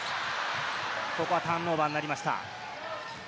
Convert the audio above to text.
ここはターンオーバーになりました。